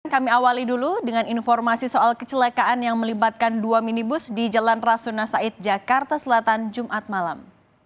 kami awali dulu dengan informasi soal kecelakaan yang melibatkan dua minibus di jalan rasuna said jakarta selatan jumat malam